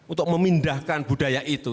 untuk memindahkan budaya itu